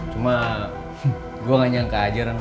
cuma gue gak nyangka ajaran